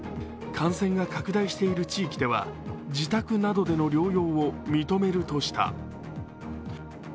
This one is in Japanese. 感染が拡大している地域では自宅などでの療養を認めるとした。